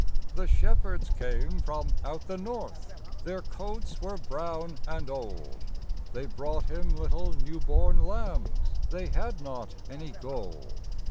The shepherds came from out the north, Their coats were brown and old, They brought Him little new born lambs They had not any gold.